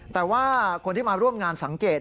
แต่ว่าคนที่มาร่วมงานสังเกต